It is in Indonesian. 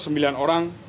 ya termasuk sembilan orang